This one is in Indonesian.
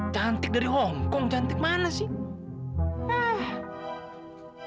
cantik dari hongkong cantik mana sih